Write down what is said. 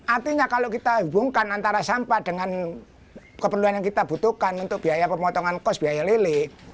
artinya kalau kita hubungkan antara sampah dengan keperluan yang kita butuhkan untuk biaya pemotongan kos biaya lilik